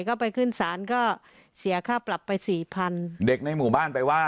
ก็ไปขึ้นศาลก็เสียค่าปรับไปสี่พันเด็กในหมู่บ้านไปว่า